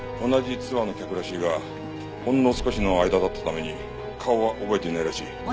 同じツアーの客らしいがほんの少しの間だったために顔は覚えていないらしい。